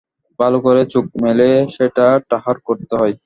ভালো করে চোখ মেলে সেটা ঠাহর করতে হয়।